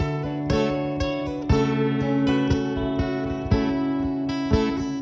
merupakan sebetulnya yang menyebut itu badainya